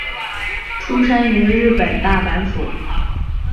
出身于日本大阪府。